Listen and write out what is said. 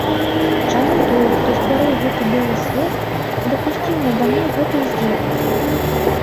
Чаму той, хто стварыў гэты белы свет, дапусціў нада мной гэты здзек?